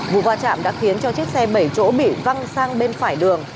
vụ va chạm đã khiến cho chiếc xe bảy chỗ bị văng sang bên phải đường